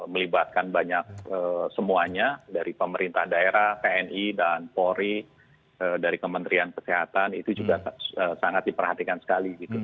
melibatkan banyak semuanya dari pemerintah daerah tni dan polri dari kementerian kesehatan itu juga sangat diperhatikan sekali gitu